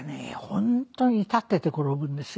本当に立ってて転ぶんですよ。